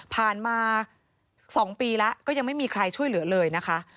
มา๒ปีแล้วก็ยังไม่มีใครช่วยเหลือเลยนะคะ